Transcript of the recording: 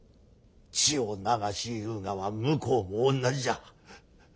血を流しゆうがは向こうもおんなじじゃ。